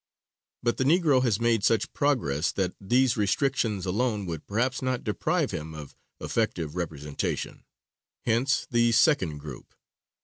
But the Negro has made such progress that these restrictions alone would perhaps not deprive him of effective representation. Hence the second group.